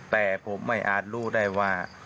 แต่ผมไม่อาจรู้ได้ว่า